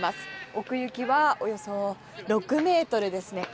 奥行きはおよそ６ｍですね。